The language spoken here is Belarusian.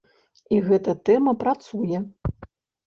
І гэта тэма працуе.